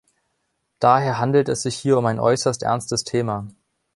Daher handelt es sich hier um ein äußerst ernstes Thema.